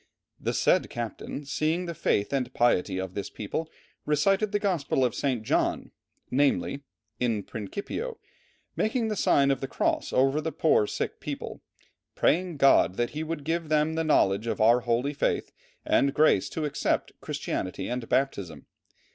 "The said captain, seeing the faith and piety of this people, recited the Gospel of St. John, namely: In principio, making the sign of the cross over the poor sick people, praying GOD that he would give them the knowledge of our holy faith and grace to accept Christianity and baptism.